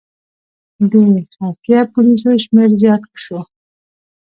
د خفیه پولیسو شمېر زیات شو.